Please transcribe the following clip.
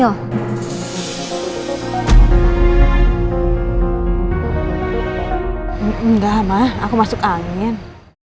enggak mah aku masuk angin